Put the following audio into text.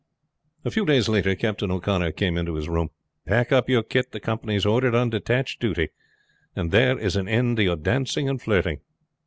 A few days later Captain O'Connor came into his room. "Pack up your kit. The company is ordered on detached duty, and there is an end to your dancing and flirting."